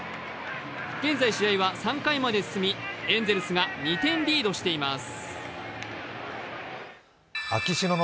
現在、試合は３回まで進みエンゼルスが２点リードしています